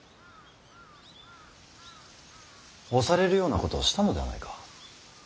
押されるようなことをしたのではないか。